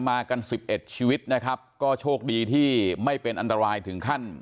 มากันสิบเอ็ดชีวิตนะครับก็โชคดีที่ไม่เป็นอันตรายถึงขั้น